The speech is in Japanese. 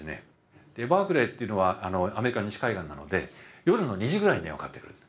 バークレーっていうのはアメリカの西海岸なので夜の２時ぐらいに電話かかってくる。